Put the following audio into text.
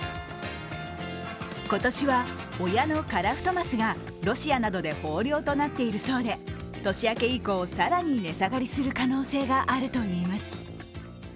今年は親のカラフトマスがロシアなどで豊漁となっているそうで年明け以降、更に値下がりする可能性があるといいます。